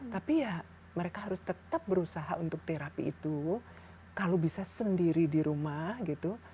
tapi ya mereka harus tetap berusaha untuk terapi itu kalau bisa sendiri di rumah gitu